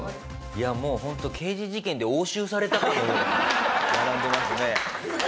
いやもうホント刑事事件で押収されたかのように並んでますね。